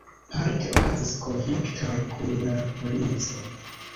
Parte okazis konfliktoj kun la polico.